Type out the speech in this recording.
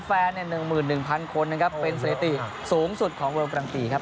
แฟนเนี่ย๑๑พันคนเป็นสถิติสูงสุดสุดของเวาร์แปรงตีครับ